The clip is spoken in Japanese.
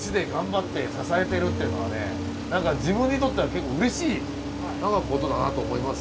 何か自分にとっては結構うれしいことだなと思います。